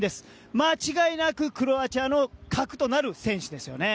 間違いなくクロアチアの核となる選手ですよね。